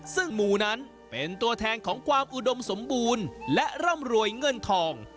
ซึ่งหมู่นั้นเป็นตัวแทนของความอุดมสมบูรณ์และร่ำรวยเงินทอง